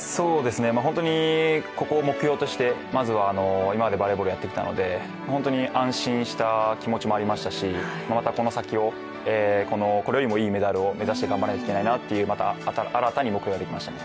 本当に、ここを目標として今までバレーボールやってたので本当に安心した気持ちもありましたしまたこの先を、これよりもいいメダルを目指して頑張らないといけないなっていう新たに目標ができましたね。